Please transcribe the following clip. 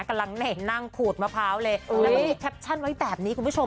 กำลังเห็นนั่งขูดมะพร้าวเลยแล้วก็มีแคปชั่นไว้แบบนี้คุณผู้ชม